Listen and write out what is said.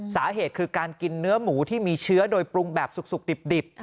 สาเหตุคือการกินเนื้อหมูที่มีเชื้อโดยปรุงแบบสุกดิบ